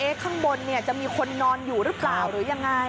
ข้างบนจะมีคนนอนอยู่หรือเปล่าหรือยังไง